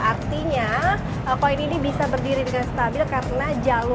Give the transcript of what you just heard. artinya koin ini bisa berdiri dengan stabil karena jalur